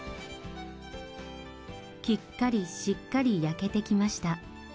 きっかりしっかり焼けてきました。